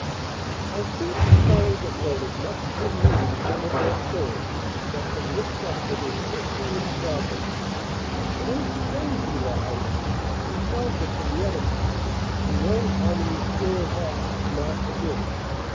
I think the fellow that wrote it must have been reading some of their stories, and got them mixed up with his history and geography. I don't suppose he lies; he sells it to the editor, who knows how many squares off "Sumatra" is.